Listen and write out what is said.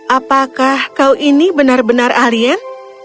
apakah kau ini benar benar alien